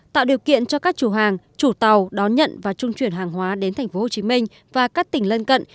tạo điều kiện cho các chủ hàng chủ tàu đón nhận và trung chuyển hàng hóa đến tp hcm và các tỉnh lân cận